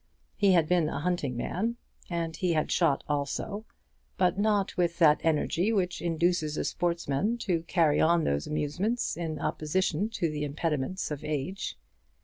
He had been a hunting man, and he had shot also; but not with that energy which induces a sportsman to carry on those amusements in opposition to the impediments of age.